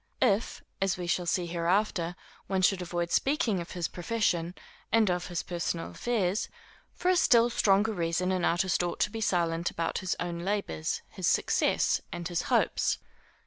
If, as we shall see hereafter, one should avoid speaking of his profession, and of his personal affairs, for a still stronger reason, an artist ought to be silent about his own labors, his success, and his hopes.